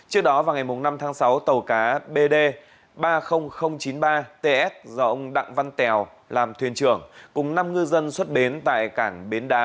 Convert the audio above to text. trước đó vào ngày năm tháng sáu tàu cá bd ba mươi nghìn chín mươi ba ts do ông đặng văn tèo làm thuyền trưởng cùng năm ngư dân xuất bến tại cảng bến đá